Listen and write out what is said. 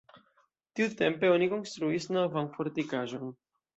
Tiutempe oni konstruis novan fortikaĵon.